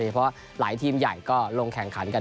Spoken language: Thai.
เพราะว่าหลายทีมใหญ่ก็ลงแข่งขันกัน